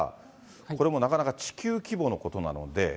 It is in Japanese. これもなかなか地球規模のことなので。